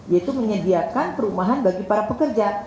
yaitu menyediakan perumahan bagi para pekerja